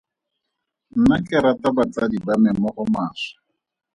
Nna ke rata batsadi ba me mo go maswe.